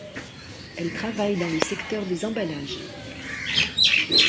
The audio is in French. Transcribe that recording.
Elle travaille dans le secteur des emballages.